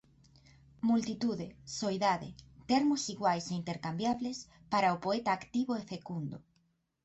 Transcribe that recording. Multitude, soidade: termos iguais e intercambiables para o poeta activo e fecundo.